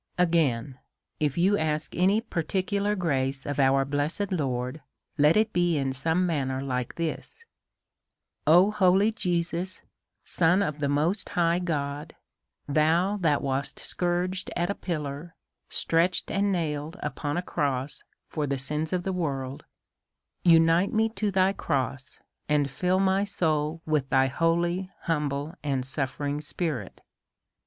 Again, if you ask any particular j:^race of our bless ed Lord, let it be in some manner like this :" O ! holy Jesus, son of the most hig h God, thou that was scourged at a pillar, stretched and nailed on a cross for the sins of the world, unite me to thy cross, and fill my soul with thy holy, humble, and suffering spirit